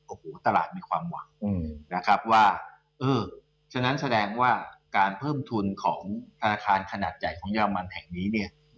โอ้โหตลาดมีความหวังนะครับว่าเออฉะนั้นแสดงว่าการเพิ่มทุนของธนาคารขนาดใหญ่ของเยอรมันแห่งนี้เนี่ย